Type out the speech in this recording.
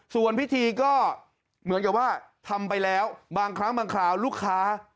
ส่วนพิธีก็เหมือนกับว่าทำไปแล้วบางครั้งบางคราวลูกค้า